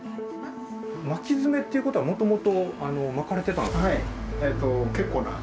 巻きヅメっていうことはもともと巻かれてた？